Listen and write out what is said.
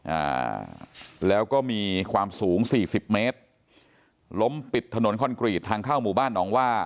อ่าแล้วก็มีความสูงสี่สิบเมตรล้มปิดถนนคอนกรีตทางเข้าหมู่บ้านหนองว่า